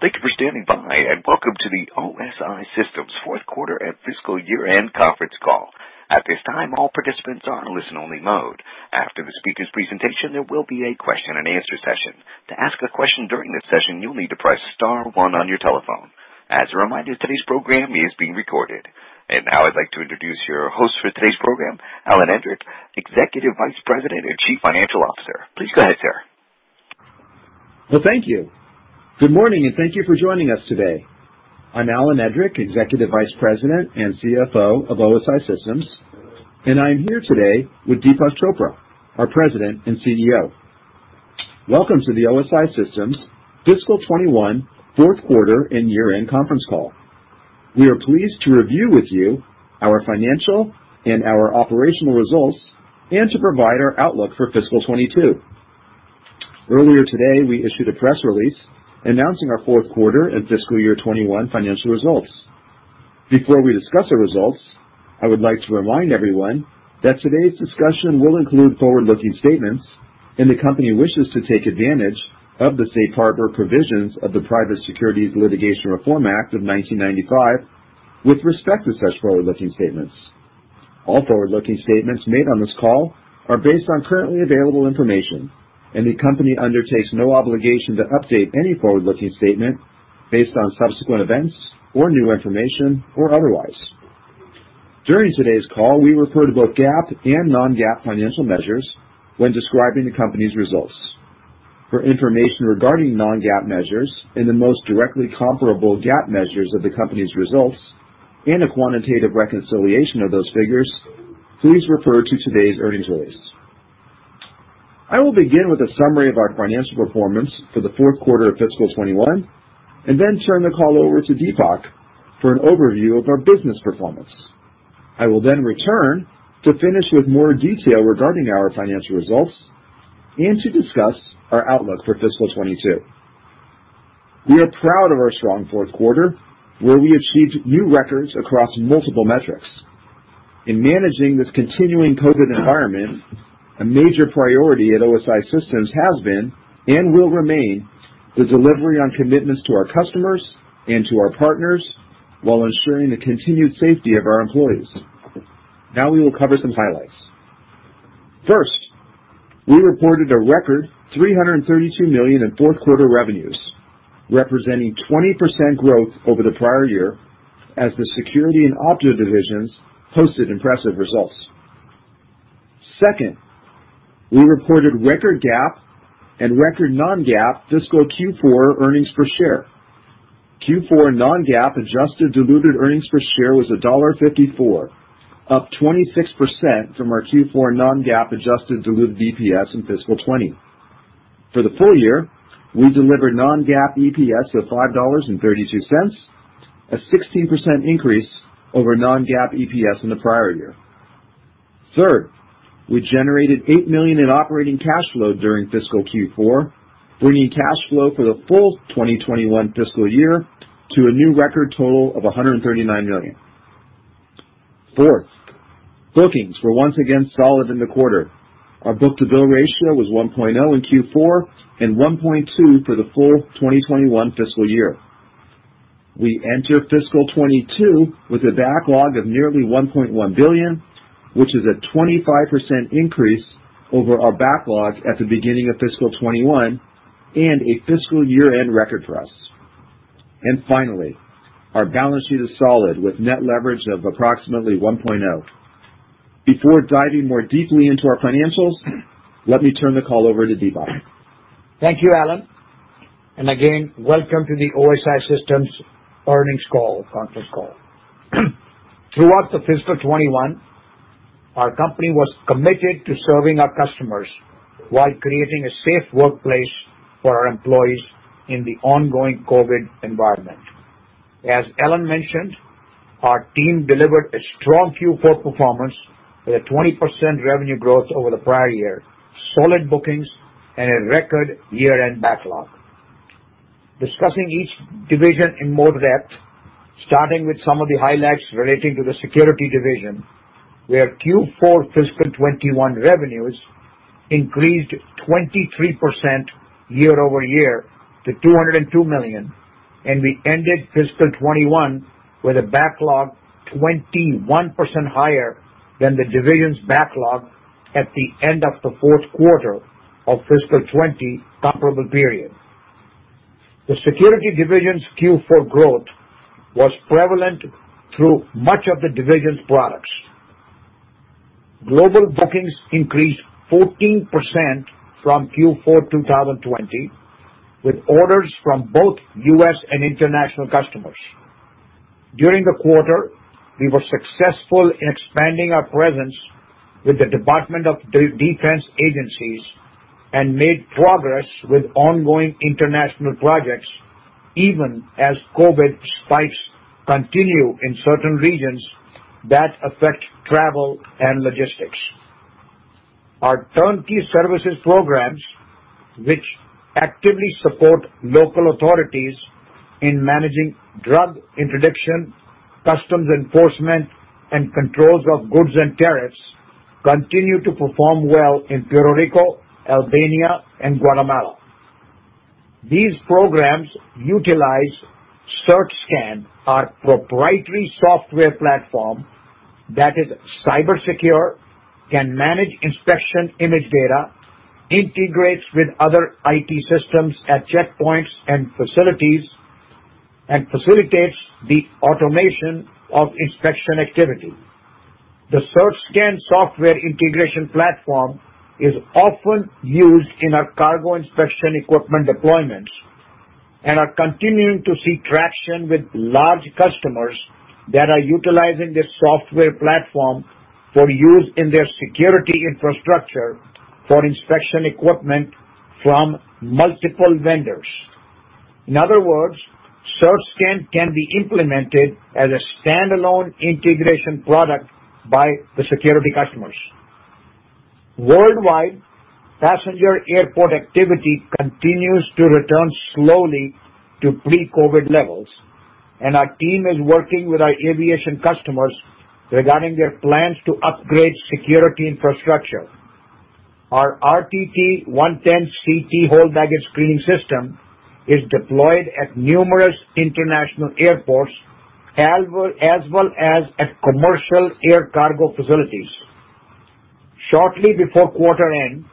Thank you for standing by, and welcome to the OSI Systems fourth quarter and fiscal year-end conference call. At this time, all participants are in listen-only mode. After the speaker's presentation, there will be a question and answer session. To ask the question during this session, you'll need to press star one on your telephone. As a reminder, today's program is being recorded. Now I'd like to introduce your host for today's program, Alan Edrick, Executive Vice President and Chief Financial Officer. Please go ahead, sir. Well, thank you. Good morning, thank you for joining us today. I'm Alan Edrick, Executive Vice President and CFO of OSI Systems, and I'm here today with Deepak Chopra, our President and CEO. Welcome to the OSI Systems fiscal 2021 fourth quarter and year-end conference call. We are pleased to review with you our financial and our operational results and to provide our outlook for fiscal 2022. Earlier today, we issued a press release announcing our fourth quarter and fiscal year 2021 financial results. Before we discuss the results, I would like to remind everyone that today's discussion will include forward-looking statements. The company wishes to take advantage of the safe harbor provisions of the Private Securities Litigation Reform Act of 1995 with respect to such forward-looking statements. All forward-looking statements made on this call are based on currently available information, and the company undertakes no obligation to update any forward-looking statement based on subsequent events or new information or otherwise. During today's call, we refer to both GAAP and non-GAAP financial measures when describing the company's results. For information regarding non-GAAP measures and the most directly comparable GAAP measures of the company's results and a quantitative reconciliation of those figures, please refer to today's earnings release. I will begin with a summary of our financial performance for the fourth quarter of fiscal 2021 and then turn the call over to Deepak for an overview of our business performance. I will then return to finish with more detail regarding our financial results and to discuss our outlook for fiscal 2022. We are proud of our strong fourth quarter, where we achieved new records across multiple metrics. In managing this continuing COVID environment, a major priority at OSI Systems has been and will remain the delivery on commitments to our customers and to our partners while ensuring the continued safety of our employees. Now we will cover some highlights. First, we reported a record $332 million in fourth quarter revenues, representing 20% growth over the prior year as the Security and Opto divisions posted impressive results. Second, we reported record GAAP and record non-GAAP fiscal Q4 earnings per share. Q4 non-GAAP adjusted diluted earnings per share was $1.54, up 26% from our Q4 non-GAAP adjusted diluted EPS in fiscal 2020. For the full year, we delivered non-GAAP EPS of $5.32, a 16% increase over non-GAAP EPS in the prior year. Third, we generated $8 million in operating cash flow during fiscal Q4, bringing cash flow for the full 2021 fiscal year to a new record total of $139 million. Fourth, bookings were once again solid in the quarter. Our book-to-bill ratio was 1.0 in Q4 and 1.2 for the full 2021 fiscal year. We enter fiscal 2022 with a backlog of nearly $1.1 billion, which is a 25% increase over our backlog at the beginning of fiscal 2021 and a fiscal year-end record for us. Finally, our balance sheet is solid with net leverage of approximately 1.0. Before diving more deeply into our financials, let me turn the call over to Deepak. Thank you, Alan. Again, welcome to the OSI Systems earnings call conference call. Throughout fiscal 2021, our company was committed to serving our customers while creating a safe workplace for our employees in the ongoing COVID environment. As Alan mentioned, our team delivered a strong Q4 performance with a 20% revenue growth over the prior year, solid bookings, and a record year-end backlog. Discussing each division in more depth, starting with some of the highlights relating to the Security division, where Q4 fiscal 2021 revenues increased 23% year-over-year to $202 million, and we ended fiscal 2021 with a backlog 21% higher than the division's backlog at the end of the fourth quarter of fiscal 2020 comparable period. The Security division's Q4 growth was prevalent through much of the division's products. Global bookings increased 14% from Q4 2020, with orders from both U.S. and international customers. During the quarter, we were successful in expanding our presence with the Department of Defense agencies and made progress with ongoing international projects, even as COVID spikes continue in certain regions that affect travel and logistics. Our turnkey services programs, which actively support local authorities in managing drug interdiction, customs enforcement, and controls of goods and tariffs continue to perform well in Puerto Rico, Albania, and Guatemala. These programs utilize CertScan, our proprietary software platform that is cyber secure, can manage inspection image data, integrates with other IT systems at checkpoints and facilities, and facilitates the automation of inspection activity. The CertScan software integration platform is often used in our cargo inspection equipment deployments and are continuing to see traction with large customers that are utilizing this software platform for use in their security infrastructure for inspection equipment from multiple vendors. In other words, CertScan can be implemented as a standalone integration product by the security customers. Worldwide passenger airport activity continues to return slowly to pre-COVID levels, and our team is working with our aviation customers regarding their plans to upgrade security infrastructure. Our RTT 110 CT hold baggage screening system is deployed at numerous international airports, as well as at commercial air cargo facilities. Shortly before quarter end,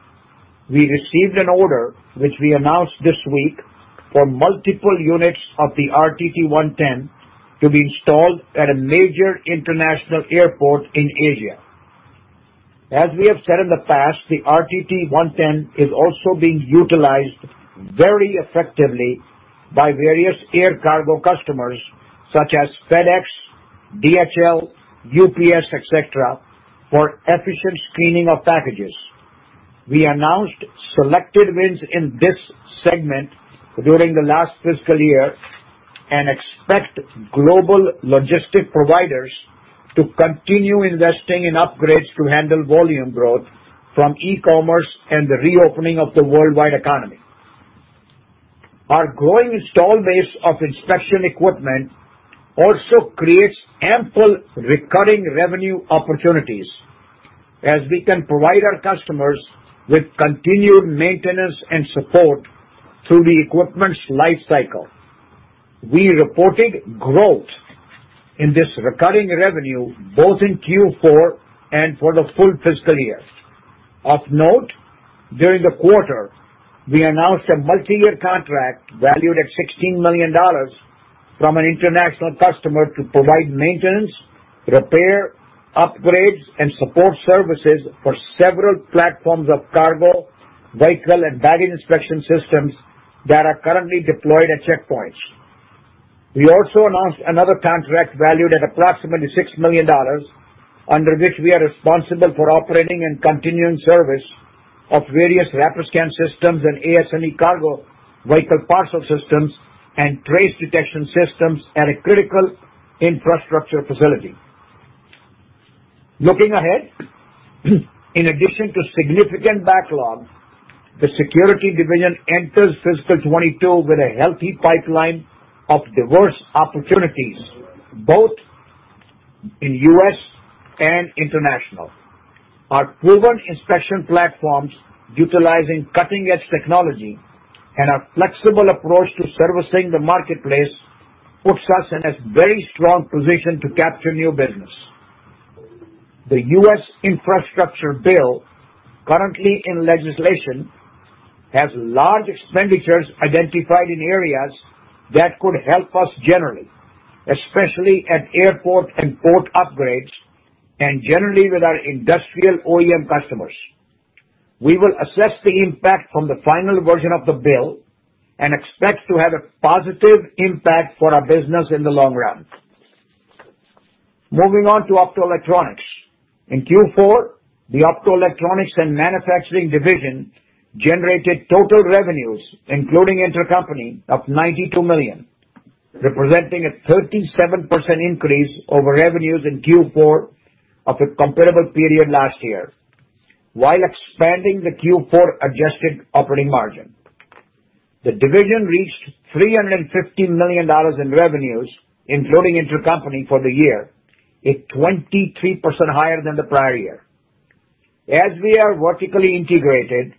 we received an order, which we announced this week, for multiple units of the RTT 110 to be installed at a major international airport in Asia. As we have said in the past, the RTT 110 is also being utilized very effectively by various air cargo customers such as FedEx, DHL, UPS, et cetera, for efficient screening of packages. We announced selected wins in this segment during the last fiscal year and expect global logistic providers to continue investing in upgrades to handle volume growth from e-commerce and the reopening of the worldwide economy. Our growing install base of inspection equipment also creates ample recurring revenue opportunities as we can provide our customers with continued maintenance and support through the equipment's life cycle. We reported growth in this recurring revenue both in Q4 and for the full fiscal year. Of note, during the quarter, we announced a multi-year contract valued at $16 million from an international customer to provide maintenance, repair, upgrades, and support services for several platforms of cargo, vehicle, and baggage inspection systems that are currently deployed at checkpoints. We also announced another contract valued at approximately $6 million, under which we are responsible for operating and continuing service of various Rapiscan Systems and AS&E cargo vehicle parcel systems and trace detection systems at a critical infrastructure facility. Looking ahead, in addition to significant backlog, the Security division enters fiscal 2022 with a healthy pipeline of diverse opportunities, both in U.S. and international. Our proven inspection platforms utilizing cutting-edge technology and our flexible approach to servicing the marketplace puts us in a very strong position to capture new business. The U.S. infrastructure bill currently in legislation has large expenditures identified in areas that could help us generally, especially at airport and port upgrades, and generally with our industrial OEM customers. We will assess the impact from the final version of the bill and expect to have a positive impact for our business in the long run. Moving on to Optoelectronics. In Q4, the Optoelectronics and Manufacturing division generated total revenues, including intercompany, of $92 million, representing a 37% increase over revenues in Q4 of the comparable period last year, while expanding the Q4 adjusted operating margin. The division reached $315 million in revenues, including intercompany, for the year, a 23% higher than the prior year. As we are vertically integrated,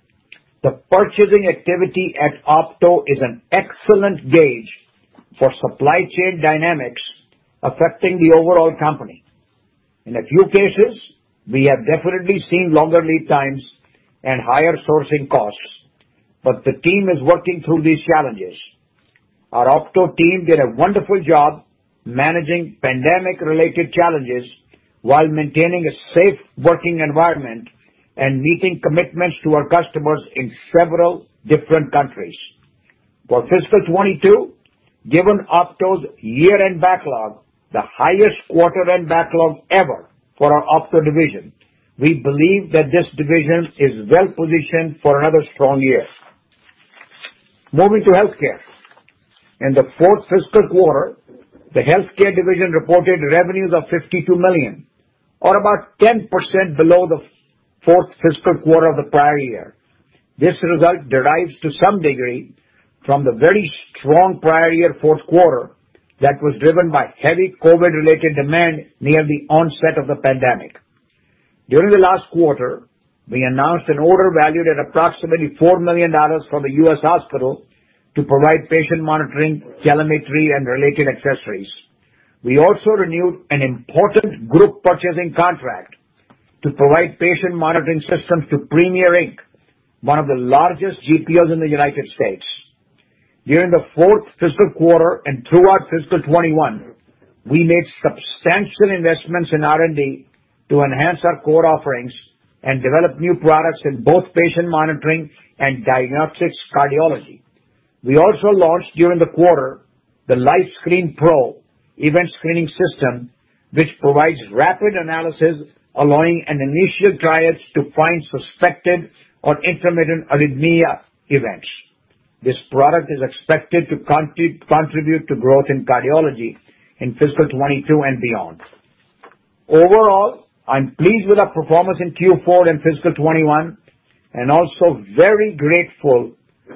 the purchasing activity at Opto is an excellent gauge for supply chain dynamics affecting the overall company. In a few cases, we have definitely seen longer lead times and higher sourcing costs, but the team is working through these challenges. Our Opto team did a wonderful job managing pandemic-related challenges while maintaining a safe working environment and meeting commitments to our customers in several different countries. For fiscal 2022, given Opto's year-end backlog, the highest quarter-end backlog ever for our Opto division, we believe that this division is well-positioned for another strong year. Moving to Healthcare. In the fourth fiscal quarter, the Healthcare division reported revenues of $52 million, or about 10% below the fourth fiscal quarter of the prior year. This result derives to some degree from the very strong prior year fourth quarter that was driven by heavy COVID-related demand near the onset of the pandemic. During the last quarter, we announced an order valued at approximately $4 million from a U.S. hospital to provide patient monitoring, telemetry, and related accessories. We also renewed an important group purchasing contract to provide patient monitoring systems to Premier, Inc., one of the largest GPOs in the United States. During the fourth fiscal quarter and throughout fiscal 2021, we made substantial investments in R&D to enhance our core offerings and develop new products in both patient monitoring and diagnostics cardiology. We also launched during the quarter the LifeScreen Pro event screening system, which provides rapid analysis, allowing an initial triage to find suspected or intermittent arrhythmia events. This product is expected to contribute to growth in cardiology in fiscal 2022 and beyond. Overall, I'm pleased with our performance in Q4 and fiscal 2021, and also very grateful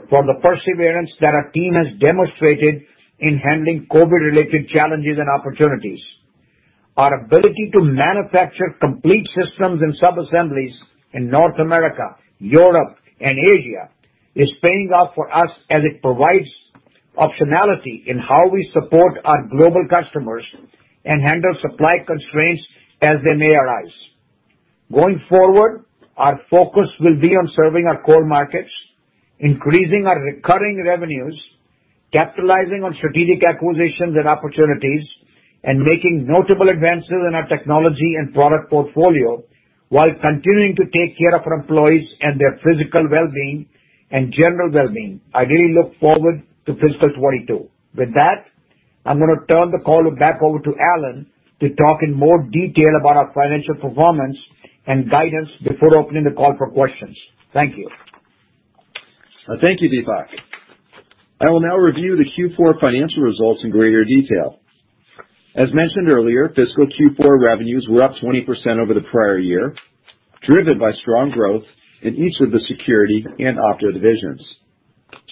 for the perseverance that our team has demonstrated in handling COVID-related challenges and opportunities. Our ability to manufacture complete systems and subassemblies in North America, Europe, and Asia is paying off for us as it provides optionality in how we support our global customers and handle supply constraints as they may arise. Going forward, our focus will be on serving our core markets, increasing our recurring revenues, capitalizing on strategic acquisitions and opportunities, and making notable advances in our technology and product portfolio while continuing to take care of our employees and their physical well-being and general well-being. I really look forward to fiscal 2022. With that, I'm going to turn the call back over to Alan to talk in more detail about our financial performance and guidance before opening the call for questions. Thank you. Thank you, Deepak. I will now review the Q4 financial results in greater detail. As mentioned earlier, fiscal Q4 revenues were up 20% over the prior year, driven by strong growth in each of the Security and Opto divisions.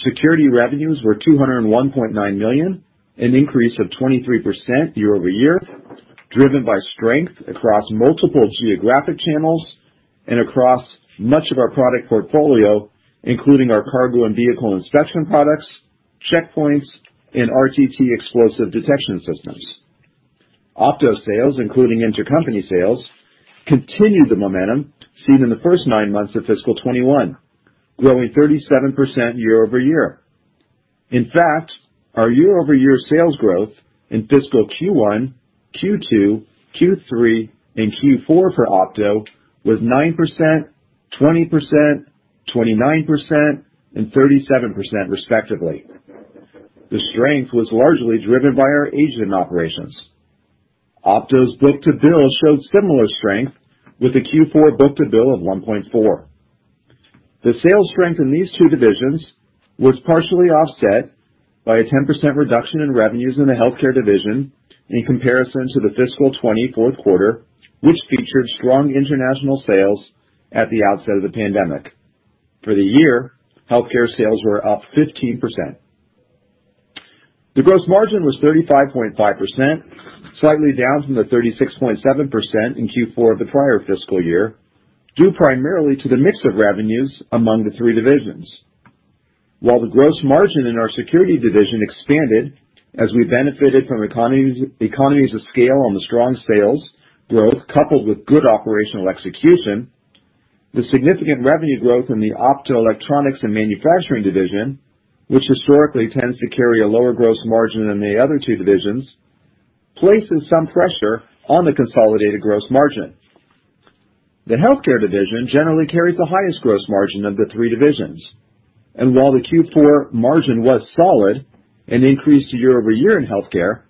Security revenues were $201.9 million, an increase of 23% year-over-year, driven by strength across multiple geographic channels and across much of our product portfolio, including our cargo and vehicle inspection products, checkpoints, and RTT explosive detection systems. Opto sales, including intercompany sales, continued the momentum seen in the first nine months of fiscal 2021, growing 37% year-over-year. In fact, our year-over-year sales growth in fiscal Q1, Q2, Q3, and Q4 for Opto was 9%, 20%, 29%, and 37%, respectively. The strength was largely driven by our Asian operations. Opto's book-to-bill showed similar strength with a Q4 book-to-bill of 1.4. The sales strength in these two divisions was partially offset by a 10% reduction in revenues in the Healthcare division in comparison to the fiscal 2020 fourth quarter, which featured strong international sales at the outset of the pandemic. For the year, Healthcare sales were up 15%. The gross margin was 35.5%, slightly down from the 36.7% in Q4 of the prior fiscal year, due primarily to the mix of revenues among the three divisions. While the gross margin in our Security division expanded as we benefited from economies of scale on the strong sales growth coupled with good operational execution, the significant revenue growth in the Optoelectronics and Manufacturing division, which historically tends to carry a lower gross margin than the other two divisions, places some pressure on the consolidated gross margin. The Healthcare division generally carries the highest gross margin of the three divisions, and while the Q4 margin was solid and increased year-over-year in Healthcare,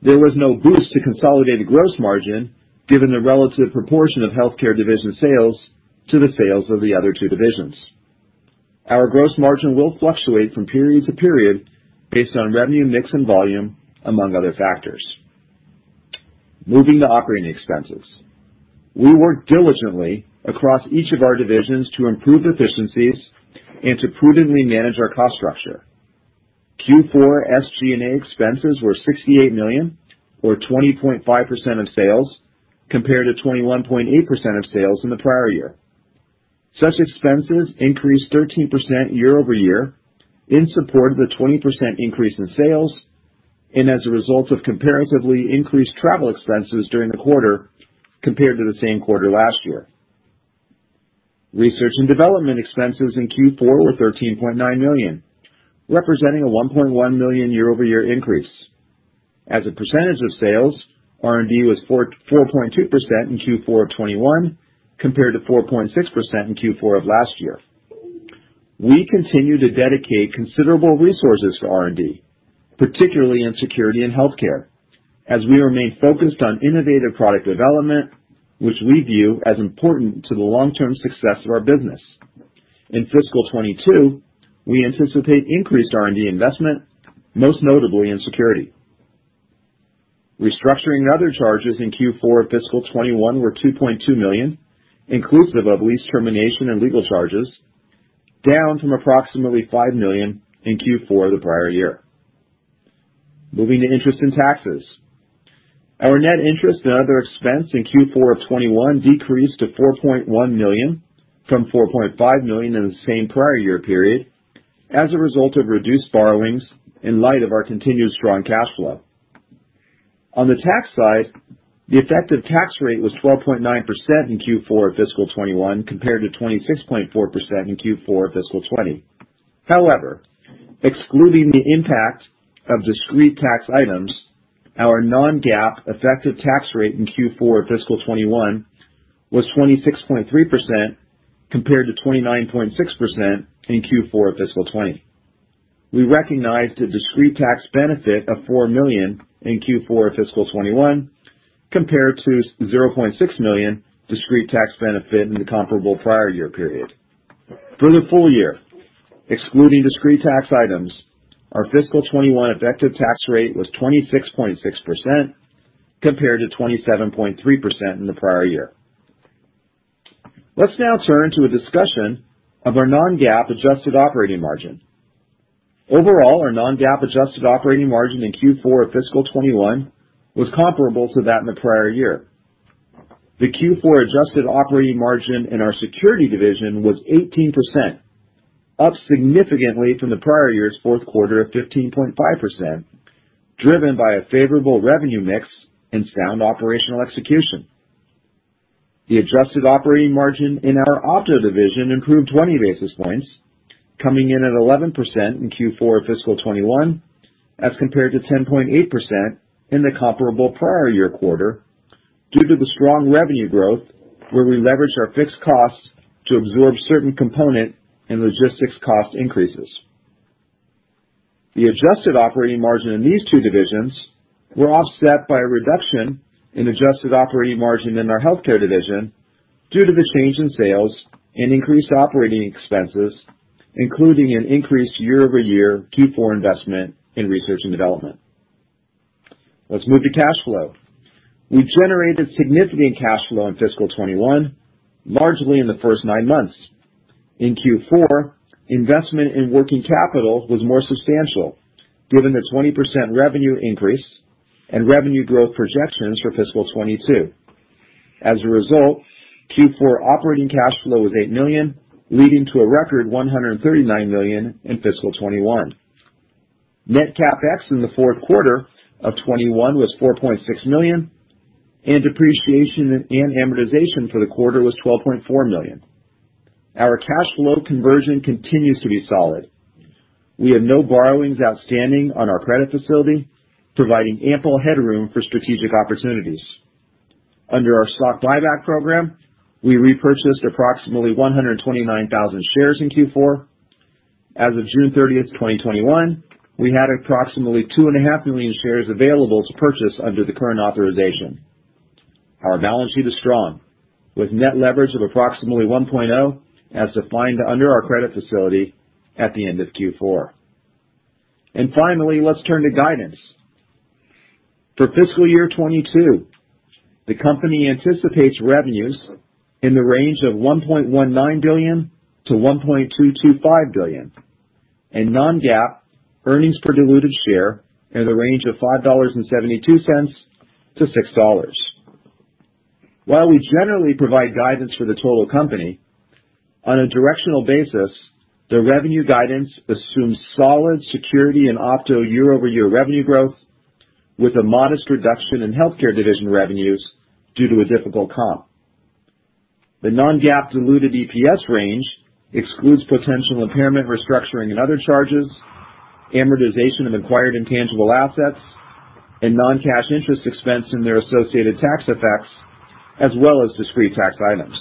there was no boost to consolidated gross margin given the relative proportion of Healthcare division sales to the sales of the other two divisions. Our gross margin will fluctuate from period-to-period based on revenue mix and volume, among other factors. Moving to operating expenses. We work diligently across each of our divisions to improve efficiencies and to prudently manage our cost structure. Q4 SG&A expenses were $68 million or 20.5% of sales, compared to 21.8% of sales in the prior year. Such expenses increased 13% year-over-year in support of the 20% increase in sales and as a result of comparatively increased travel expenses during the quarter compared to the same quarter last year. Research and development expenses in Q4 were $13.9 million, representing a $1.1 million year-over-year increase. As a percentage of sales, R&D was 4.2% in Q4 of 2021, compared to 4.6% in Q4 of last year. We continue to dedicate considerable resources for R&D, particularly in Security and Healthcare, as we remain focused on innovative product development, which we view as important to the long-term success of our business. In fiscal 2022, we anticipate increased R&D investment, most notably in Security. Restructuring and other charges in Q4 of fiscal 2021 were $2.2 million, inclusive of lease termination and legal charges, down from approximately $5 million in Q4 the prior year. Moving to interest and taxes. Our net interest and other expense in Q4 of 2021 decreased to $4.1 million from $4.5 million in the same prior year period as a result of reduced borrowings in light of our continued strong cash flow. On the tax side, the effective tax rate was 12.9% in Q4 of fiscal 2021, compared to 26.4% in Q4 of fiscal 2020. However, excluding the impact of discrete tax items, our non-GAAP effective tax rate in Q4 of fiscal 2021 was 26.3%, compared to 29.6% in Q4 of fiscal 2020. We recognized a discrete tax benefit of $4 million in Q4 of fiscal 2021 compared to $0.6 million discrete tax benefit in the comparable prior year period. For the full year, excluding discrete tax items, our fiscal 2021 effective tax rate was 26.6%, compared to 27.3% in the prior year. Let's now turn to a discussion of our non-GAAP adjusted operating margin. Overall, our non-GAAP adjusted operating margin in Q4 of fiscal 2021 was comparable to that in the prior year. The Q4 adjusted operating margin in our Security division was 18%, up significantly from the prior year's fourth quarter of 15.5%, driven by a favorable revenue mix and sound operational execution. The adjusted operating margin in our Opto division improved 20 basis points, coming in at 11% in Q4 of fiscal 2021 as compared to 10.8% in the comparable prior year quarter due to the strong revenue growth where we leveraged our fixed costs to absorb certain component and logistics cost increases. The adjusted operating margin in these two divisions were offset by a reduction in adjusted operating margin in our Healthcare division due to the change in sales and increased operating expenses, including an increased year-over-year Q4 investment in research and development. Let's move to cash flow. We generated significant cash flow in fiscal 2021, largely in the first nine months. In Q4, investment in working capital was more substantial given the 20% revenue increase and revenue growth projections for fiscal 2022. As a result, Q4 operating cash flow was $8 million, leading to a record $139 million in fiscal 2021. Net CapEx in the fourth quarter of 2021 was $4.6 million, and depreciation and amortization for the quarter was $12.4 million. Our cash flow conversion continues to be solid. We have no borrowings outstanding on our credit facility, providing ample headroom for strategic opportunities. Under our stock buyback program, we repurchased approximately 129,000 shares in Q4. As of June 30th, 2021, we had approximately 2.5 million shares available to purchase under the current authorization. Our balance sheet is strong, with net leverage of approximately 1.0 as defined under our credit facility at the end of Q4. Finally, let's turn to guidance. For fiscal year 2022, the company anticipates revenues in the range of $1.19 billion-$1.225 billion, and non-GAAP earnings per diluted share in the range of $5.72-$6. While we generally provide guidance for the total company, on a directional basis, the revenue guidance assumes solid Security and Opto year-over-year revenue growth with a modest reduction in Healthcare division revenues due to a difficult comp. The non-GAAP diluted EPS range excludes potential impairment, restructuring and other charges, amortization of acquired intangible assets, and non-cash interest expense and their associated tax effects, as well as discrete tax items.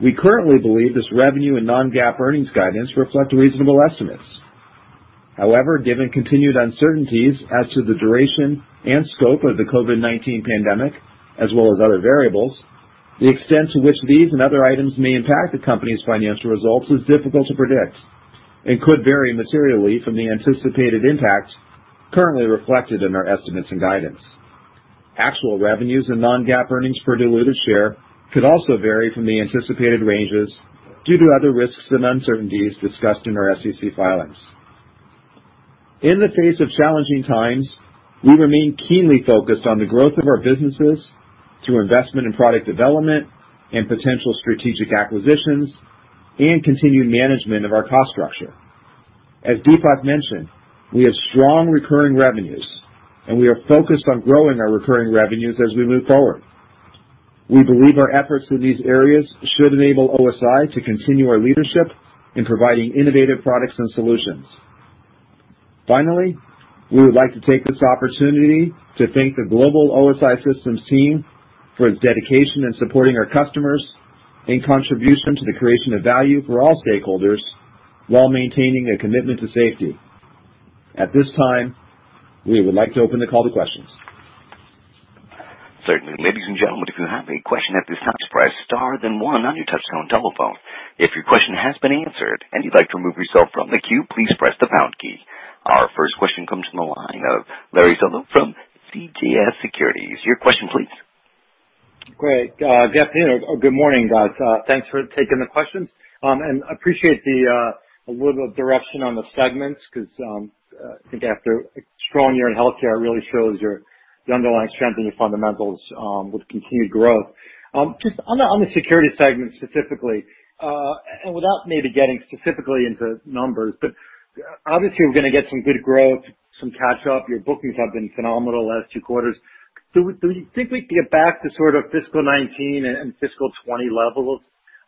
We currently believe this revenue and non-GAAP earnings guidance reflect reasonable estimates. However, given continued uncertainties as to the duration and scope of the COVID-19 pandemic, as well as other variables, the extent to which these and other items may impact the company's financial results is difficult to predict and could vary materially from the anticipated impact currently reflected in our estimates and guidance. Actual revenues and non-GAAP earnings per diluted share could also vary from the anticipated ranges due to other risks and uncertainties discussed in our SEC filings. In the face of challenging times, we remain keenly focused on the growth of our businesses through investment in product development and potential strategic acquisitions and continued management of our cost structure. As Deepak mentioned, we have strong recurring revenues, and we are focused on growing our recurring revenues as we move forward. We believe our efforts in these areas should enable OSI to continue our leadership in providing innovative products and solutions. Finally, we would like to take this opportunity to thank the global OSI Systems team for its dedication in supporting our customers in contribution to the creation of value for all stakeholders while maintaining a commitment to safety. At this time, we would like to open the call to questions. Certainly. Ladies and gentlemen, if you have a question at this time, press star then one on your touchtone telephone. If your question has been answered and you'd like to remove yourself from the queue, please press the pound key. Our first question comes from the line of Larry Solow from CJS Securities. Your question please. Great. Good afternoon or good morning, guys. Thanks for taking the questions. Appreciate the little direction on the segments, because I think after a strong year in healthcare, it really shows your underlying strength in your fundamentals, with continued growth. Just on the security segment specifically, and without maybe getting specifically into numbers, but obviously we're going to get some good growth, some catch up. Your bookings have been phenomenal the last two quarters. Do you think we'd get back to sort of fiscal 2019 and fiscal 2020 levels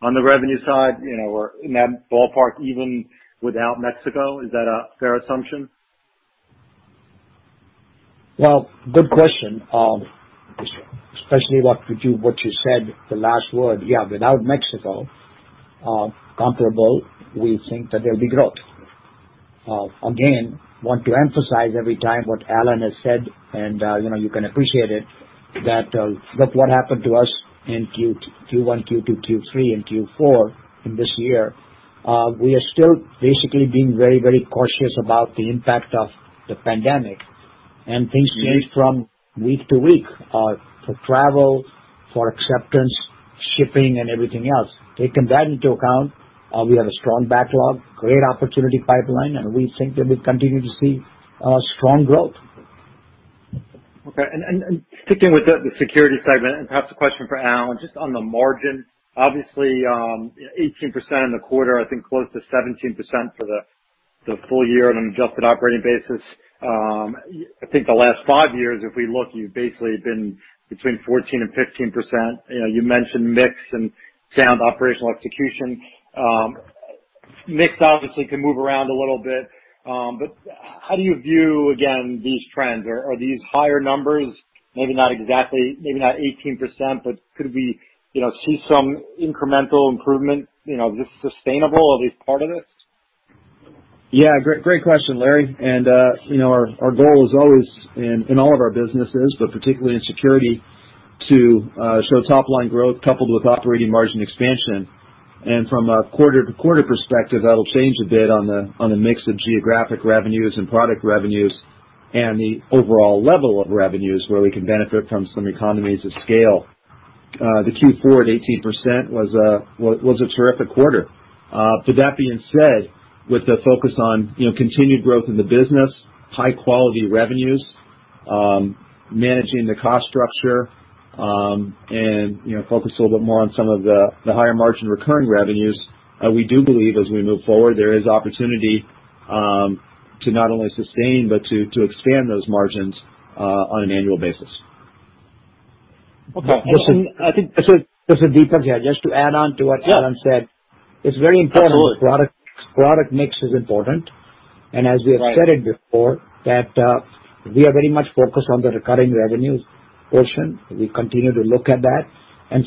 on the revenue side, or in that ballpark, even without Mexico? Is that a fair assumption? Good question. Especially what you said, the last word. Without Mexico, comparable, we think that there'll be growth. Want to emphasize every time what Alan has said, and you can appreciate it, that look what happened to us in Q1, Q2, Q3, and Q4 in this year. We are still basically being very cautious about the impact of the pandemic, and things change from week to week. For travel, for acceptance, shipping, and everything else. Taking that into account, we have a strong backlog, great opportunity pipeline, and we think that we'll continue to see strong growth. Okay. Sticking with the security segment, and perhaps a question for Alan, just on the margin. Obviously, 18% in the quarter, I think close to 17% for the full year on an adjusted operating basis. I think the last five years, if we look, you've basically been between 14% and 15%. You mentioned mix and sound operational execution. Mix obviously can move around a little bit. How do you view, again, these trends? Are these higher numbers, maybe not exactly 18%, but could we see some incremental improvement, is this sustainable, at least part of this? Great question, Larry Solow. Our goal is always, in all of our businesses, but particularly in Security, to show top-line growth coupled with operating margin expansion. From a quarter-to-quarter perspective, that'll change a bit on the mix of geographic revenues and product revenues, and the overall level of revenues where we can benefit from some economies of scale. The Q4 at 18% was a terrific quarter. That being said, with the focus on continued growth in the business, high-quality revenues, managing the cost structure, and focus a little bit more on some of the higher margin recurring revenues, we do believe as we move forward, there is opportunity to not only sustain but to expand those margins on an annual basis. Okay. This is Deepak here. Just to add on to what Alan said. Yeah. It's very important. Absolutely. Product mix is important. As we have said it before, that we are very much focused on the recurring revenues portion. We continue to look at that.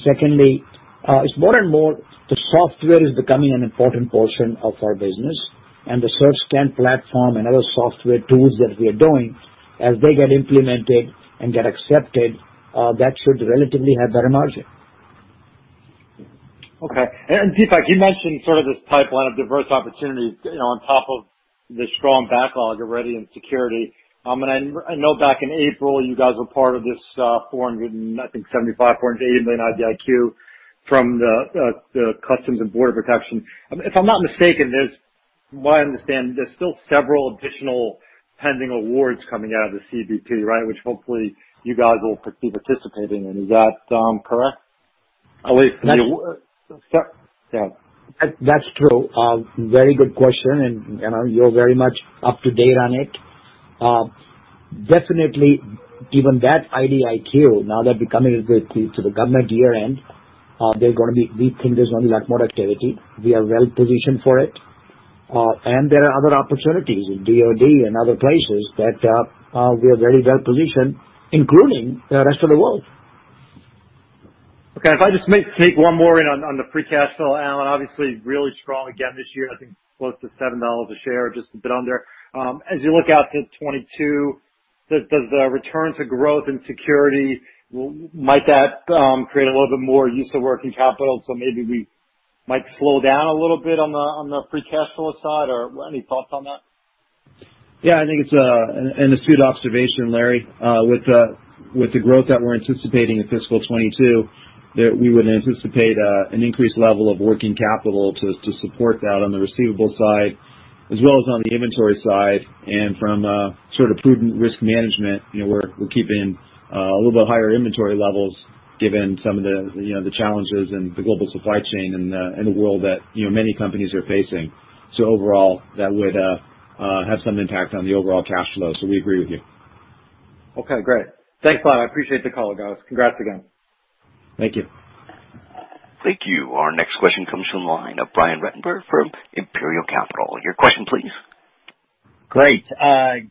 Secondly, it's more and more the software is becoming an important portion of our business, and the CertScan platform and other software tools that we are doing, as they get implemented and get accepted, that should relatively have better margin. Okay. Deepak, you mentioned sort of this pipeline of diverse opportunities on top of the strong backlog already in security. I know back in April, you guys were part of this $400, I think $475 million, $480 million IDIQ from the U.S. Customs and Border Protection. If I'm not mistaken, from what I understand, there's still several additional pending awards coming out of the CBP, right? Which hopefully you guys will be participating in. Is that correct? That's true. Very good question, and you're very much up to date on it. Definitely, given that IDIQ, now that we're coming to the government year-end, we think there's going to be a lot more activity. We are well-positioned for it. There are other opportunities in DoD and other places that we are very well-positioned, including the rest of the world. Okay. If I just may sneak one more in on the free cash flow, Alan. Obviously, really strong again this year. I think close to $7 a share, just a bit under. As you look out to 2022, does the return to growth and security, might that create a little bit more use of working capital, so maybe we might slow down a little bit on the free cash flow side, or any thoughts on that? Yeah, I think it's an astute observation, Larry. With the growth that we're anticipating in fiscal 2022, that we would anticipate an increased level of working capital to support that on the receivable side as well as on the inventory side. From a sort of prudent risk management, we're keeping a little bit higher inventory levels given some of the challenges in the global supply chain and the world that many companies are facing. Overall, that would have some impact on the overall cash flow. We agree with you. Okay, great. Thanks a lot. I appreciate the call, guys. Congrats again. Thank you. Thank you. Our next question comes from the line of Brian Ruttenbur from Imperial Capital. Your question please. Great.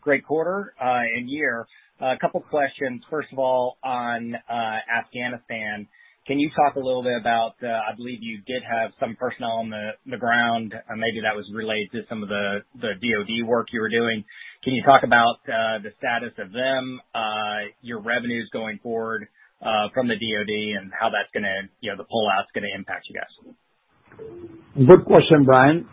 Great quarter and year. A couple questions. First of all, on Afghanistan. Can you talk a little bit about the, I believe you did have some personnel on the ground, maybe that was related to some of the DoD work you were doing. Can you talk about the status of them, your revenues going forward from the DoD, and how the pull-out's going to impact you guys? Good question, Brian.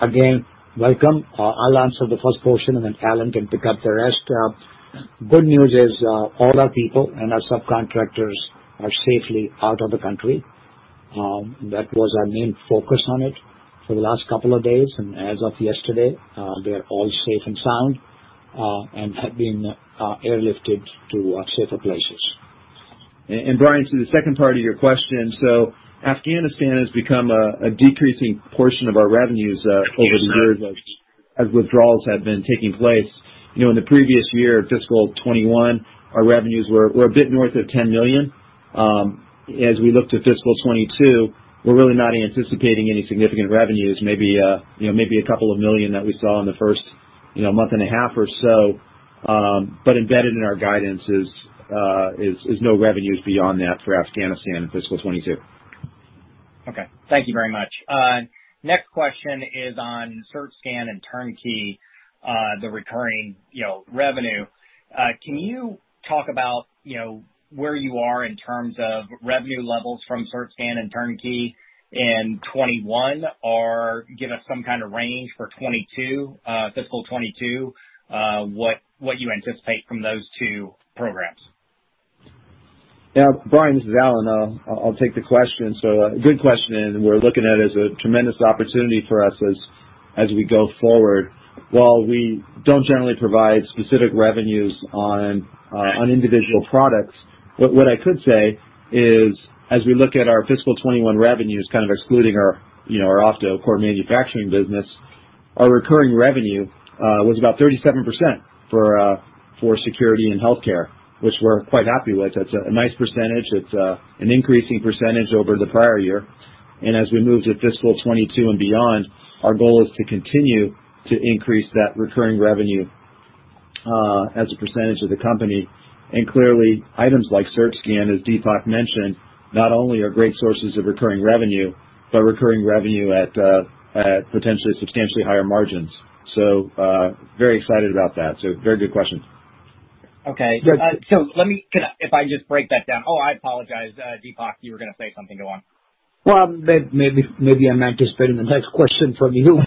Again, welcome. I'll answer the first portion, and then Alan can pick up the rest. Good news is all our people and our subcontractors are safely out of the country. That was our main focus on it for the last couple of days. As of yesterday, they are all safe and sound, and have been airlifted to safer places. Brian, to the second part of your question. Afghanistan has become a decreasing portion of our revenues over the years as withdrawals have been taking place. In the previous year, fiscal 2021, our revenues were a bit north of $10 million. As we look to fiscal 2022, we're really not anticipating any significant revenues, maybe $2 million that we saw in the first 1.5 months or so. Embedded in our guidance is no revenues beyond that for Afghanistan in fiscal 2022. Okay. Thank you very much. Next question is on CertScan and Turnkey, the recurring revenue. Can you talk about where you are in terms of revenue levels from CertScan and Turnkey in 2021, or give us some kind of range for fiscal 2022, what you anticipate from those two programs? Yeah. Brian, this is Alan. I'll take the question. Good question, and we're looking at it as a tremendous opportunity for us as we go forward. While we don't generally provide specific revenues on individual products, what I could say is as we look at our fiscal 2021 revenues, kind of excluding our Opto core manufacturing business, our recurring revenue was about 37% for Security and Healthcare, which we're quite happy with. That's a nice percentage. It's an increasing percentage over the prior year. As we move to fiscal 2022 and beyond, our goal is to continue to increase that recurring revenue as a percentage of the company. Clearly, items like CertScan, as Deepak mentioned, not only are great sources of recurring revenue, but recurring revenue at potentially substantially higher margins. Very excited about that. Very good question. Okay. If I can just break that down. Oh, I apologize. Deepak, you were going to say something. Go on. Well, maybe I'm anticipating the next question from you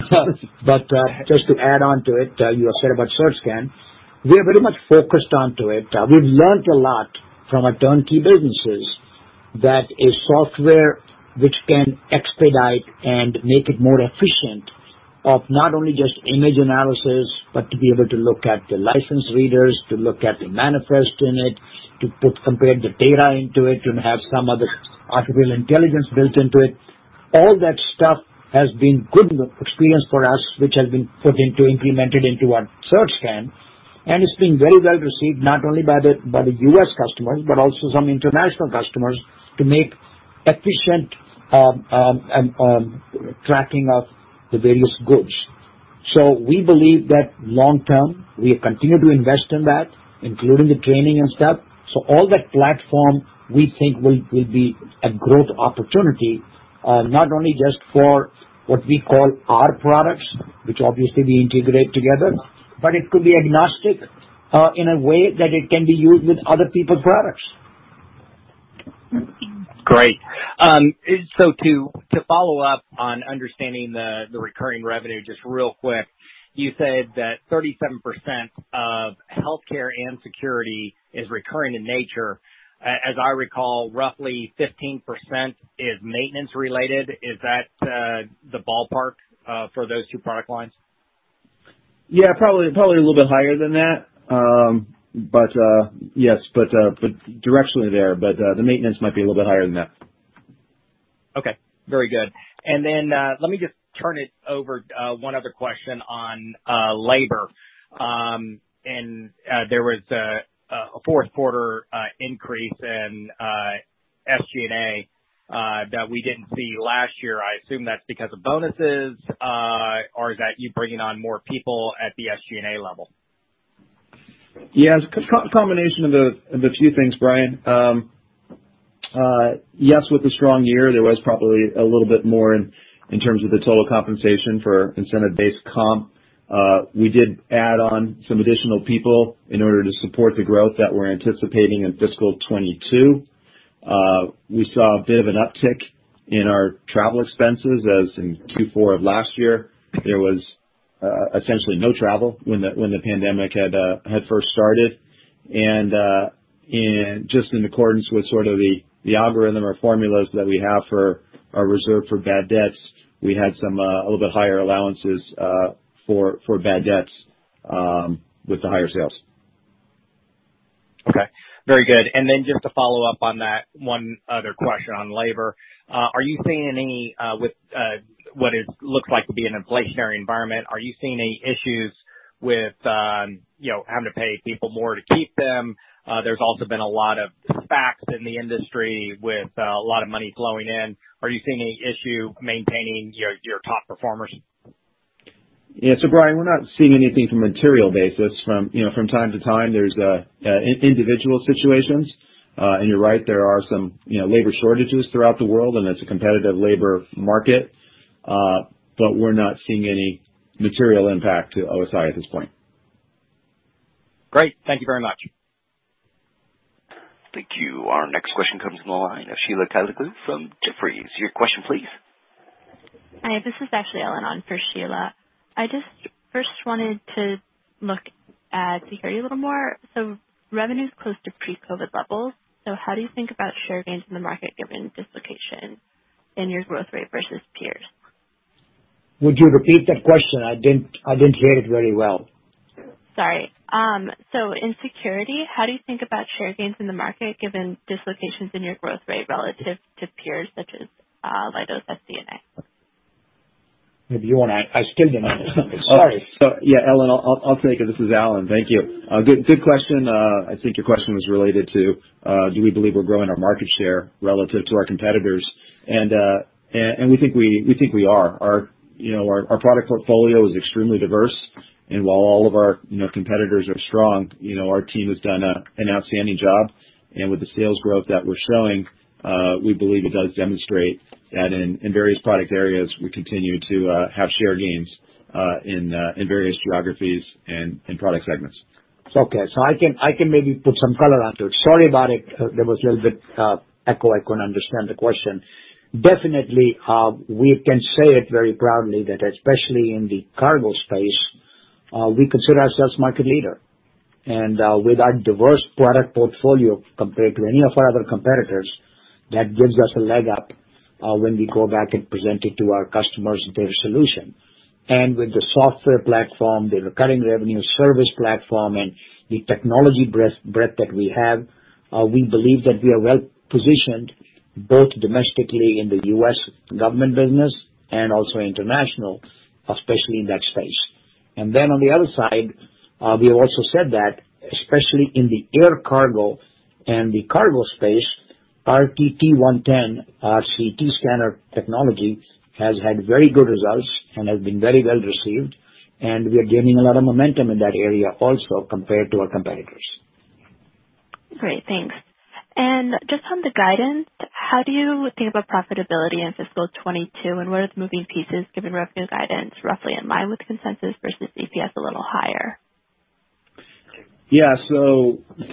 but just to add onto it, you said about CertScan. We are very much focused onto it. We've learned a lot from our turnkey businesses that a software which can expedite and make it more efficient of not only just image analysis, but to be able to look at the license readers, to look at the manifest in it, to compare the data into it, to have some other artificial intelligence built into it. All that stuff has been good experience for us, which has been put into implemented into our CertScan, and it's been very well received, not only by the U.S. customers, but also some international customers, to make efficient tracking of the various goods. We believe that long term, we continue to invest in that, including the training and stuff. All that platform, we think will be a growth opportunity, not only just for what we call our products, which obviously we integrate together, but it could be agnostic, in a way that it can be used with other people's products. Great. To follow up on understanding the recurring revenue, just real quick, you said that 37% of Healthcare and Security is recurring in nature. As I recall, roughly 15% is maintenance related. Is that the ballpark for those two product lines? Yeah, probably a little bit higher than that. Directionally there, but the maintenance might be a little bit higher than that. Okay, very good. Let me just turn it over, one other question on labor. There was a fourth quarter increase in SG&A that we didn't see last year. I assume that's because of bonuses. Or is that you bringing on more people at the SG&A level? Yeah, it's a combination of a few things, Brian. Yes, with a strong year, there was probably a little bit more in terms of the total compensation for incentive-based comp. We did add on some additional people in order to support the growth that we're anticipating in fiscal 2022. We saw a bit of an uptick in our travel expenses as in Q4 of last year. There was essentially no travel when the pandemic had first started. Just in accordance with sort of the algorithm or formulas that we have for our reserve for bad debts, we had a little bit higher allowances for bad debts with the higher sales. Okay. Very good. Then just to follow up on that, one other question on labor. With what it looks like will be an inflationary environment, are you seeing any issues with having to pay people more to keep them? There's also been a lot of SPACs in the industry with a lot of money flowing in. Are you seeing any issue maintaining your top performers? Brian, we're not seeing anything from material basis. From time to time, there's individual situations. You're right, there are some labor shortages throughout the world, and it's a competitive labor market. We're not seeing any material impact to OSI at this point. Great. Thank you very much. Thank you. Our next question comes from the line of Sheila Kahyaoglu from Jefferies. Your question, please. Hi, this is actually Ellen on for Sheila. I just first wanted to look at security a little more. Revenue's close to pre-COVID levels, so how do you think about share gains in the market given dislocation in your growth rate versus peers? Would you repeat that question? I didn't hear it very well. Sorry. In Security, how do you think about share gains in the market given dislocations in your growth rate relative to peers such as, Varex Imaging? Maybe you want to. I still didn't understand. Sorry. Yeah, Ellen, I'll take it. This is Alan. Thank you. Good question. I think your question was related to, do we believe we're growing our market share relative to our competitors, and we think we are. Our product portfolio is extremely diverse and while all of our competitors are strong, our team has done an outstanding job and with the sales growth that we're showing, we believe it does demonstrate that in various product areas, we continue to have share gains, in various geographies and in product segments. Okay. I can maybe put some color on to it. Sorry about it. There was a little bit of echo. I couldn't understand the question. Definitely, we can say it very proudly that especially in the cargo space, we consider ourselves market leader. With our diverse product portfolio compared to any of our other competitors, that gives us a leg up, when we go back and present it to our customers, their solution. With the software platform, the recurring revenue service platform, and the technology breadth that we have, we believe that we are well-positioned both domestically in the U.S. government business and also international, especially in that space. On the other side, we have also said that, especially in the air cargo and the cargo space, RTT 110 CT scanner technology has had very good results and has been very well received, and we are gaining a lot of momentum in that area also, compared to our competitors. Great. Thanks. Just on the guidance, how do you think about profitability in fiscal 2022, and what are the moving pieces given revenue guidance roughly in line with consensus versus EPS a little higher?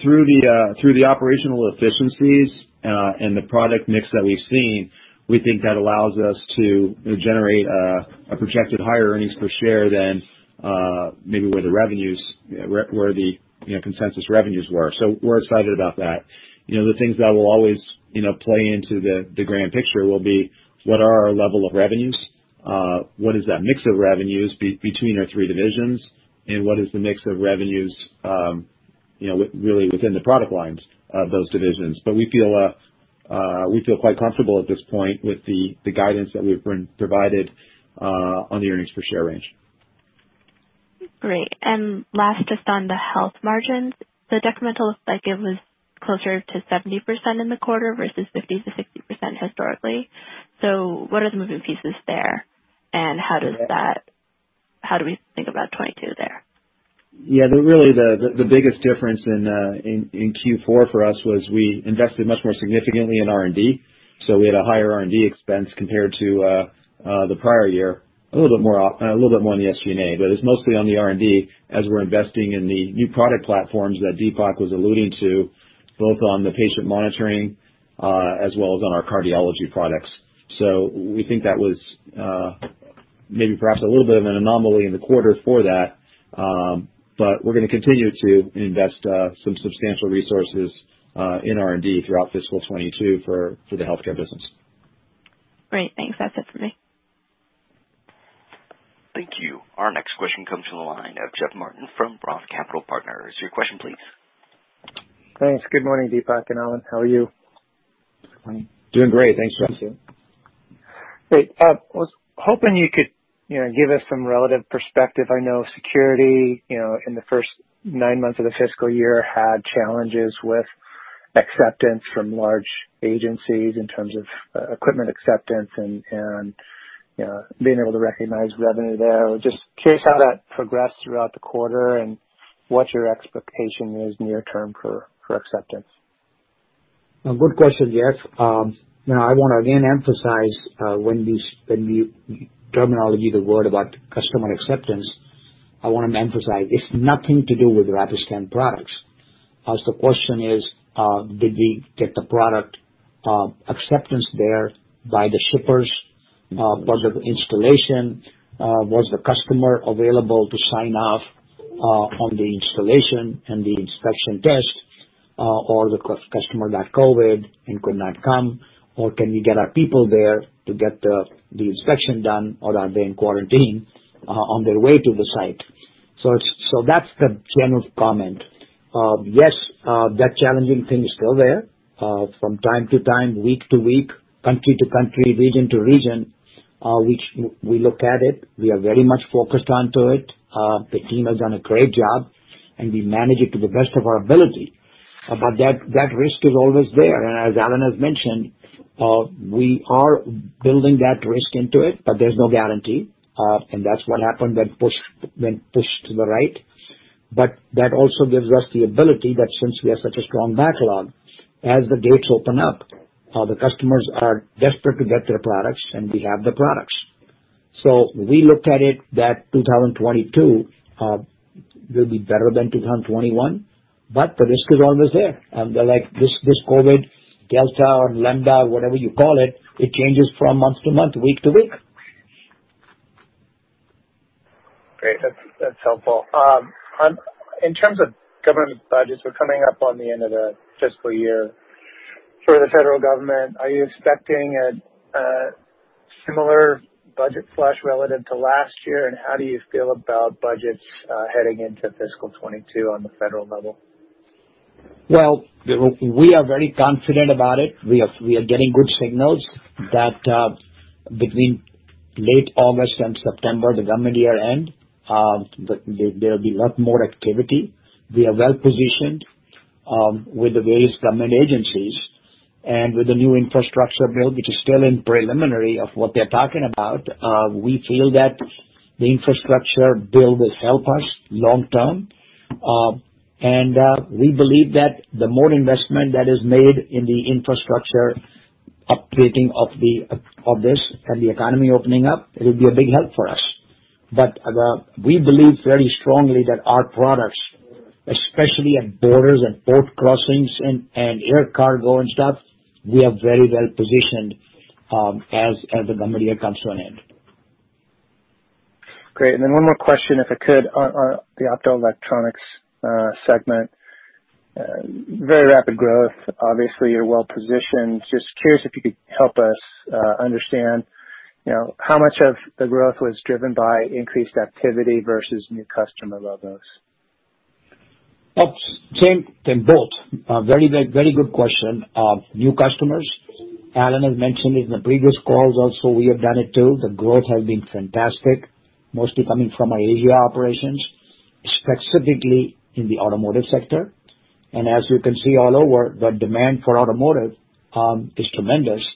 Through the operational efficiencies, and the product mix that we've seen, we think that allows us to generate a projected higher earnings per share than, maybe where the consensus revenues were. We're excited about that. The things that will always play into the grand picture will be what are our level of revenues, what is that mix of revenues be between our three divisions, and what is the mix of revenues really within the product lines of those divisions. We feel quite comfortable at this point with the guidance that we've provided on the earnings per share range. Great. Last, just on the Healthcare margins, the decremental cycle was closer to 70% in the quarter versus 50%-60% historically. What are the moving pieces there, and how do we think about 2022 there? Yeah, really the biggest difference in Q4 for us was we invested much more significantly in R&D. We had a higher R&D expense compared to the prior year, a little bit more in the SG&A. It's mostly on the R&D as we're investing in the new product platforms that Deepak was alluding to, both on the patient monitoring, as well as on our cardiology products. We think that was maybe perhaps a little bit of an anomaly in the quarter for that. We're going to continue to invest some substantial resources in R&D throughout fiscal 2022 for the Healthcare business. Great. Thanks. That's it for me. Thank you. Our next question comes from the line of Jeff Martin from ROTH Capital Partners. Your question, please. Thanks. Good morning, Deepak and Alan. How are you? Good morning. Doing great. Thanks, Jeff. Great. I was hoping you could give us some relative perspective. I know Security, in the first nine months of the fiscal year, had challenges with acceptance from large agencies in terms of equipment acceptance and being able to recognize revenue there. I was just curious how that progressed throughout the quarter and what your expectation is near term for acceptance. A good question, Jeff. I want to again emphasize, when you terminology the word about customer acceptance, I want to emphasize it's nothing to do with Rapiscan products. The question is, did we get the product acceptance there by the shippers? Was it installation? Was the customer available to sign off on the installation and the inspection test? The customer got COVID and could not come? Can we get our people there to get the inspection done? Are they in quarantine on their way to the site? That's the general comment. Yes, that challenging thing is still there. From time to time, wee- to-week, country-to- country, regio- to-region, which we look at it. We are very much focused onto it. The team has done a great job, and we manage it to the best of our ability. That risk is always there. As Alan has mentioned, we are building that risk into it, but there's no guarantee. That's what happened that pushed to the right. That also gives us the ability that since we have such a strong backlog, as the gates open up, the customers are desperate to get their products, and we have the products. We looked at it that 2022 will be better than 2021, but the risk is always there. This COVID, Delta or Lambda, whatever you call it changes from month to month, week to week. Great. That's helpful. In terms of government budgets, we're coming up on the end of the fiscal year for the federal government. Are you expecting a similar budget flush relative to last year, and how do you feel about budgets heading into fiscal 2022 on the federal level? Well, we are very confident about it. We are getting good signals that between late August and September, the government year-end, there'll be a lot more activity. We are well-positioned with the various government agencies. With the new infrastructure bill, which is still in preliminary of what they're talking about, we feel that the infrastructure bill will help us long-term. We believe that the more investment that is made in the infrastructure up-grading of this and the economy opening up, it'll be a big help for us. We believe very strongly that our products, especially at borders and port crossings and air cargo and stuff, we are very well positioned as the government year comes to an end. Great. One more question, if I could, on the Optoelectronics segment. Very rapid growth, obviously you're well-positioned. Curious if you could help us understand how much of the growth was driven by increased activity versus new customer logos? Both. Very good question. New customers, Alan has mentioned it in the previous calls also, we have done it too. The growth has been fantastic, mostly coming from our Asia operations, specifically in the automotive sector. As you can see all over, the demand for automotive is tremendous,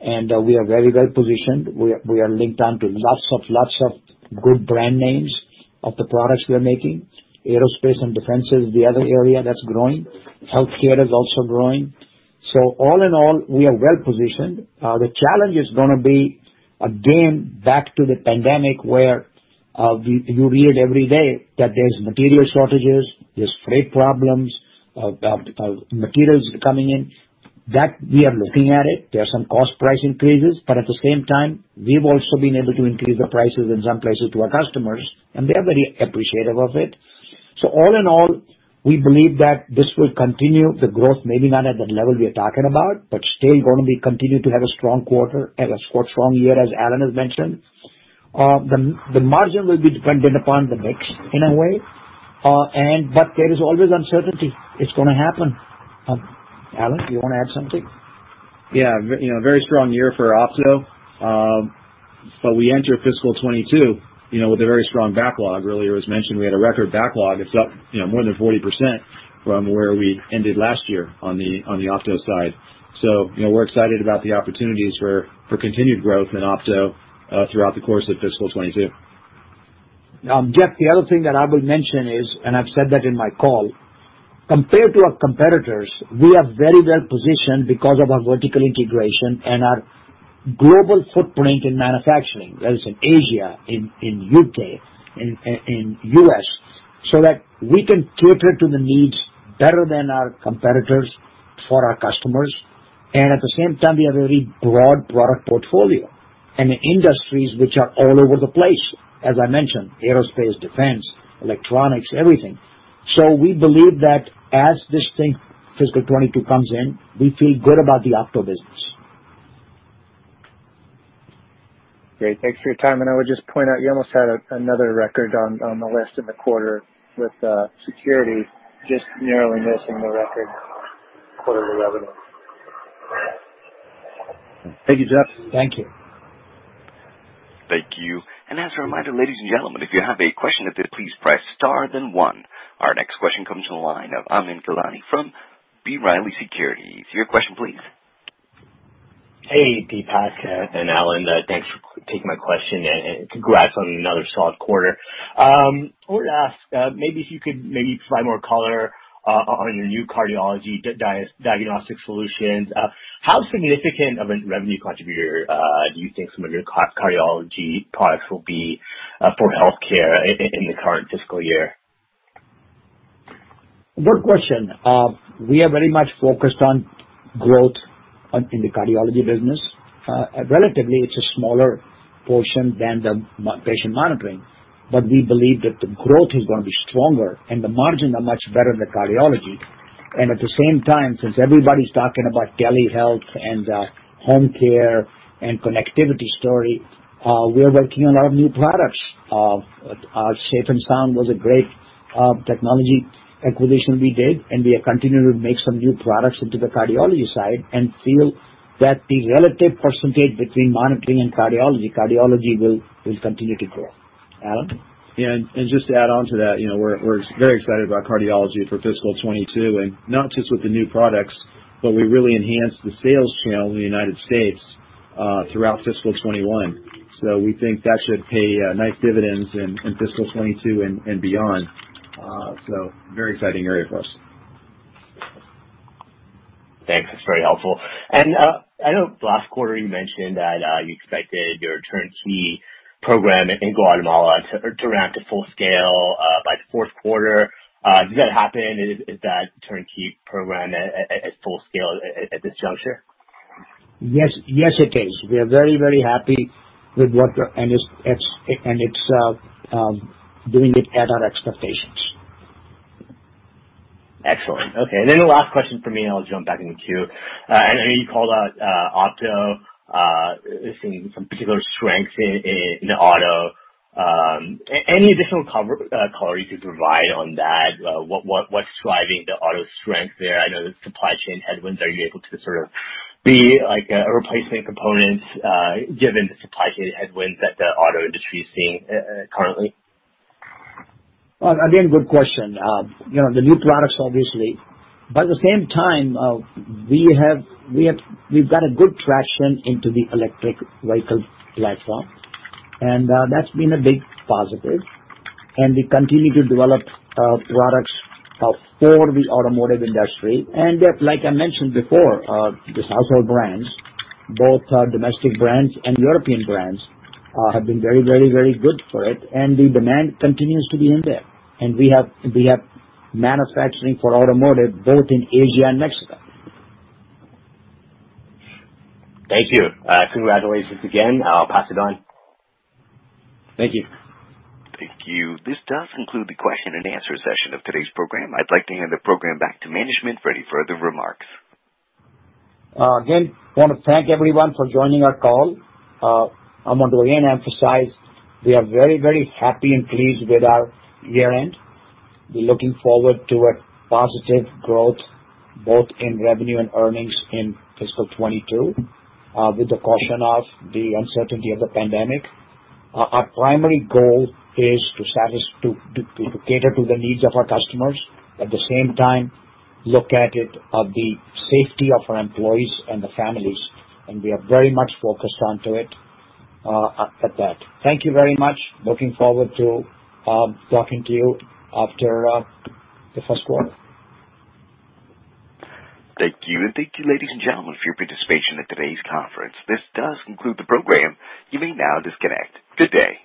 and we are very well positioned. We are linked on to lots of good brand names of the products we are making. Aerospace and defense is the other area that's growing. Healthcare is also growing. All in all, we are well-positioned. The challenge is going to be, again, back to the pandemic, where you read every day that there's material shortages, there's freight problems of materials coming in. That we are looking at it. There are some cost price increases, but at the same time, we've also been able to increase the prices in some places to our customers, and they're very appreciative of it. All in all, we believe that this will continue. The growth may be not at that level we are talking about, but still going to be continued to have a strong quarter, have a strong year, as Alan has mentioned. The margin will be dependent upon the mix in a way. There is always uncertainty. It's going to happen. Alan, do you want to add something? Yeah. Very strong year for Opto. We enter fiscal 2022 with a very strong backlog. Earlier it was mentioned we had a record backlog. It's up more than 40% from where we ended last year on the Opto side. We're excited about the opportunities for continued growth in Opto throughout the course of fiscal 2022. Jeff, the other thing that I will mention is, and I've said that in my call, compared to our competitors, we are very well positioned because of our vertical integration and our global footprint in manufacturing, whether it's in Asia, in U.K., in U.S., so that we can cater to the needs better than our competitors for our customers. At the same time, we have a very broad product portfolio. The industries which are all over the place, as I mentioned, aerospace, defense, electronics, everything. We believe that as this thing, fiscal 2022 comes in, we feel good about the Opto business. Great. Thanks for your time. I would just point out, you almost had another record on the list in the quarter with Security, just narrowly missing the record quarterly revenue. Thank you, Jeff. Thank you. Thank you. As a reminder, ladies and gentlemen, if you have a question, please press star then one. Our next question comes from the line of Aman Gulani from B. Riley Securities. Your question, please. Hey, Deepak and Alan. Thanks for taking my question, and congrats on another solid quarter. I wanted to ask, if you could maybe provide more color on your new cardiology diagnostic solutions. How significant of a revenue contributor do you think some of your cardiology products will be for Healthcare in the current fiscal year? Good question. We are very much focused on growth in the cardiology business. Relatively, it's a smaller portion than the patient monitoring, but we believe that the growth is going to be stronger and the margins are much better in the cardiology. At the same time, since everybody's talking about telehealth and home care and connectivity story, we are working on our new products. Safe and Sound was a great technology acquisition we did. We are continuing to make some new products into the cardiology side and feel that the relative percentage between monitoring and cardiology will continue to grow. Alan? Just to add on to that, we're very excited about cardiology for fiscal 2022, and not just with the new products, but we really enhanced the sales channel in the United States throughout fiscal 2021. We think that should pay nice dividends in fiscal 2022 and beyond. Very exciting area for us. Thanks. That's very helpful. I know last quarter you mentioned that you expected your turnkey program in Guatemala to ramp to full scale by the fourth quarter. Did that happen? Is that turnkey program at full scale at this juncture? Yes, it is. We are very happy with and it's doing it at our expectations. Excellent. Okay, the last question from me. I'll jump back in the queue. I know you called out auto, seeing some particular strengths in auto. Any additional color you could provide on that? What's driving the auto strength there? I know there's supply chain headwinds. Are you able to sort of be like a replacement component given the supply chain headwinds that the auto industry is seeing currently? Again, good question. The new products, obviously. At the same time, we've got good traction into the electric vehicle platform, and that's been a big positive. We continue to develop products for the automotive industry. Like I mentioned before, these household brands, both domestic brands and European brands, have been very good for it, and the demand continues to be in there. We have manufacturing for automotive both in Asia and Mexico. Thank you. Congratulations again. I'll pass it on. Thank you. Thank you. This does conclude the question and answer session of today's program. I'd like to hand the program back to management for any further remarks. I want to thank everyone for joining our call. I want to again emphasize we are very happy and pleased with our year-end. We're looking forward to a positive growth both in revenue and earnings in fiscal 2022, with the caution of the uncertainty of the pandemic. Our primary goal is to cater to the needs of our customers. At the same time, look at it of the safety of our employees and the families, and we are very much focused onto it at that. Thank you very much. Looking forward to talking to you after the first quarter. Thank you. Thank you, ladies and gentlemen, for your participation in today's conference. This does conclude the program. You may now disconnect. Good day.